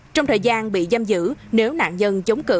trong thời gian bị giam giữ nếu nạn nhân